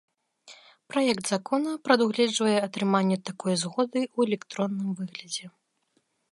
Праект закона прадугледжвае атрыманне такой згоды ў электронным выглядзе.